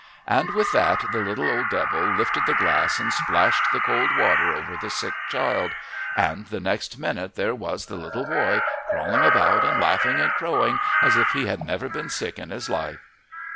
And with that the little old devil lifted the glass and splashed the cold water over the sick child, and the next minute there was the little boy crawling about and laughing and crowing as if he had never been sick in his life.